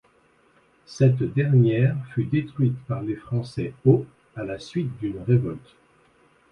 Cette dernière fut détruite par les Français au à la suite d'une révolte.